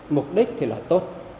mục đích thì là tốt